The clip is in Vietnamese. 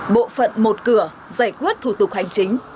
bộ phận một cửa giải quyết thủ tục hành chính